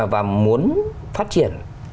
và muốn phát triển